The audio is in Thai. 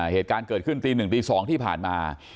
เหตุการณ์เกิดขึ้นตีหนึ่งตีสองที่ผ่านมา